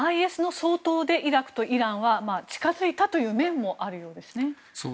ＩＳ掃討でイラクとイランは近づいた面もあるようですね。